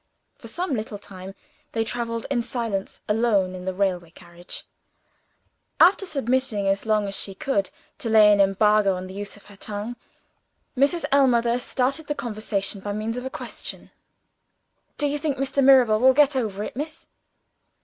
For some little time, they traveled in silence alone in the railway carriage. After submitting as long as she could to lay an embargo on the use of her tongue, Mrs. Ellmother started the conversation by means of a question: "Do you think Mr. Mirabel will get over it, miss?"